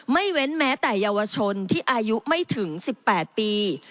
เว้นแม้แต่เยาวชนที่อายุไม่ถึง๑๘ปี